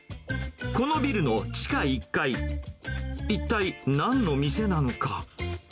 このビルの地下１階、一体なんの店なのか。